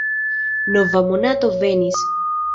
Nova monato venis.